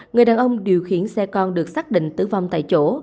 người đàn ông điều khiển xe con được xác định tử vong tại chỗ